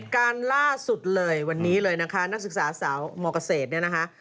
การล่าสุดเลยวันนี้เลยนะคะนักศึกษาสาวมเกษตรเนี่ยนะคะ